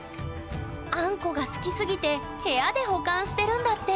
あんこが好きすぎて部屋で保管してるんだって！